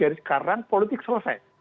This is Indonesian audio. jadi sekarang politik selesai